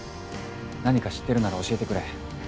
何か知ってるなら教えてくれ。